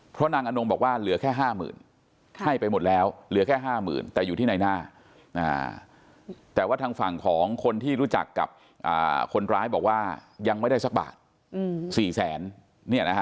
เพราะนางอนงบอกว่าเหลือแค่๕๐๐๐ให้ไปหมดแล้วเหลือแค่๕๐๐๐แต่อยู่ที่ในหน้าแต่ว่าทางฝั่งของคนที่รู้จักกับคนร้ายบอกว่ายังไม่ได้สักบาท๔แสน